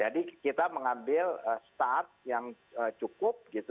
jadi kita mengambil start yang cukup gitu